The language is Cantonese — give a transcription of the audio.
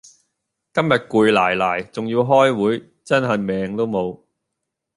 今日攰賴賴仲要開會真係命都無